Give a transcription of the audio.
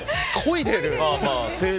こいでる。